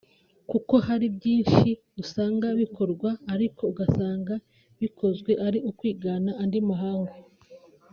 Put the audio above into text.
kuko hari byinshi usanga bikorwa ariko ugasanga bikozwe ari ukwigana andi mahanga